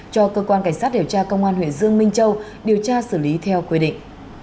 cho cơ quan cảnh sát điều tra công an huyện dương minh châu điều tra xử lý theo quy định